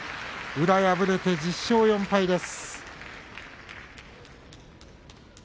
宇良は敗れて１０勝４敗です。